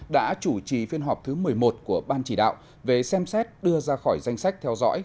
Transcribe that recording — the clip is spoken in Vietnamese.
đã chủ trì phiên họp thứ một mươi một của ban chỉ đạo về xem xét đưa ra khỏi danh sách theo dõi